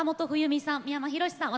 三山ひろしさん